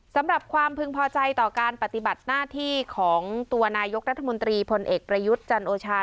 สำหรับความพึงพอใจต่อการปฏิบัติหน้าที่ของตัวนายกรัฐมนตรีพลเอกประยุทธ์จันโอชา